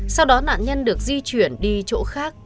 sau đó nạn nhân được di chuyển đi chỗ khác